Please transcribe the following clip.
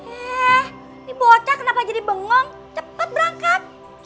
eeeeh nih bocah kenapa jadi bengong cepet berangkat